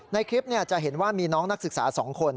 ในคลิปจะเห็นว่ามีน้องนักศึกษา๒คน